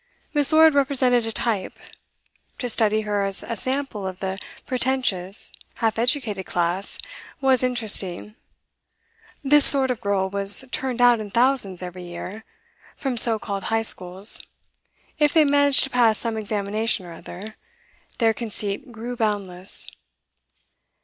Miss. Lord represented a type; to study her as a sample of the pretentious half educated class was interesting; this sort of girl was turned out in thousands every year, from so called High Schools; if they managed to pass some examination or other, their conceit grew boundless.